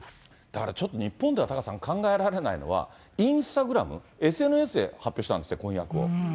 だからちょっと日本では、タカさん、考えられないのは、インスタグラム、ＳＮＳで発表したんですって、婚約を。